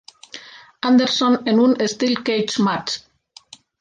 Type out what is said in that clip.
Anderson en un "Steel Cage Match".